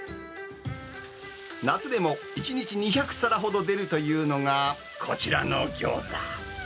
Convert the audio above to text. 夏でも１日２００皿ほど出るというのが、こちらのギョーザ。